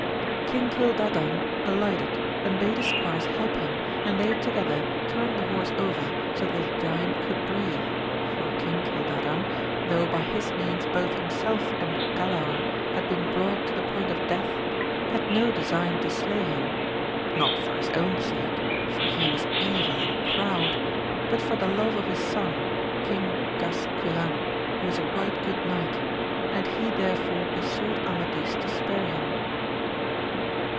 King Cildadan alighted, and bade his squires help him, and they together turned the horse over, so that the giant could breathe, for King Cildadan, though by his means both himself and Galaor had been brought to the point of death, had no design to slay him, not for his own sake, for he was evil and proud, but for the love of his son, King Gas quilan, who was a right good knight, and he thetefore besought Amadis to spare him.